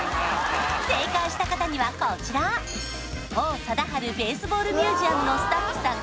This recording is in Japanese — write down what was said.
正解した方にはこちら王貞治ベースボールミュージアムのスタッフさん